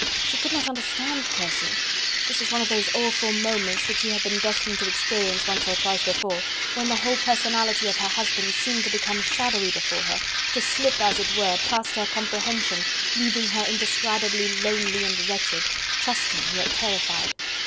She could not understand Percy. This was one of those awful moments, which she had been destined to experience once or twice before, when the whole personality of her husband seemed to become shadowy before her, to slip, as it were, past her comprehension, leaving her indescribably lonely and wretched, trusting yet terrified.